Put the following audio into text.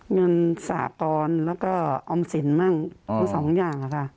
เงินสหกรแล้วก็ออมสินมั่งทั้งสองอย่างค่ะ